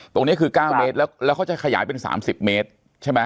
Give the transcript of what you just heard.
ตรงนี้คือ๙เมตรแล้วเขาจะขยายเป็น๓๐เมตรใช่ไหม